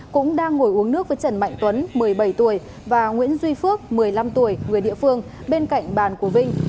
cũng đang ngồi uống nước với trần mạnh tuấn một mươi bảy tuổi và nguyễn duy phước một mươi năm tuổi người địa phương bên cạnh bàn của vinh